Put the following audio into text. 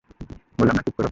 বললাম না চুপ করো।